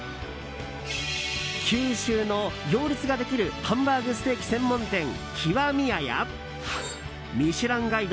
九州の行列ができるハンバーグステーキ専門店「極味や」や「ミシュランガイド」